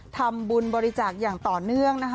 ทำบุญบริจาคอย่างต่อเนื่องนะคะ